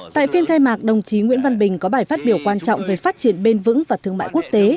tại phiên khai mạc đồng chí nguyễn văn bình có bài phát biểu quan trọng về phát triển bền vững và thương mại quốc tế